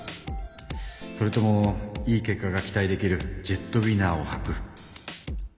それともいい結果が期待できるジェットウィナーをはく。